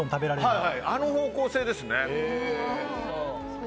あの方向性ですね。